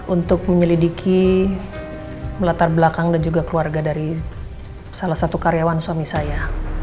untuk menyelidiki melatar belakang dan juga keluarga dari salah satu karyawan suami saya